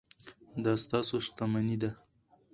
دا ستاسو شتمني ده.